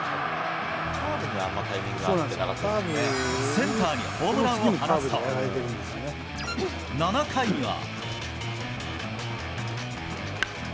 センターにホームランを放つと、７回には。